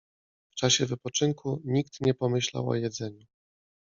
W czasie wypoczynku nikt nie pomyślał o jedzeniu.